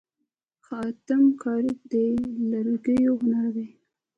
خاتم کاري د لرګیو هنر دی.